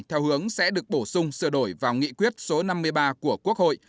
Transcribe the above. theo hướng sẽ được bổ sung sửa đổi vào nghị quyết số năm mươi ba của quốc hội